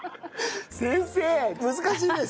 先生難しいです！